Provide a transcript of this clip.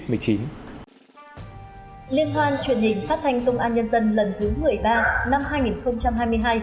liên hoan truyền hình phát thanh công an nhân dân lần thứ một mươi ba năm hai nghìn hai mươi hai